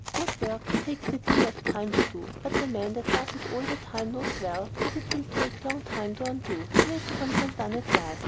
"Good work takes a deal of time to do; but the man that does it all the time knows well that it will take long to undo. Here it comes undone at last!"